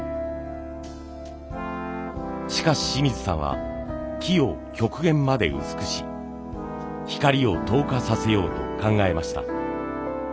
しかし清水さんは木を極限まで薄くし光を透過させようと考えました。